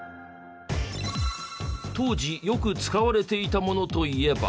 当時よく使われていたものといえば。